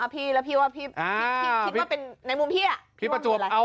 พี่คิดว่าเป็นในมุมพี่อะ